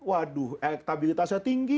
waduh elektabilitasnya tinggi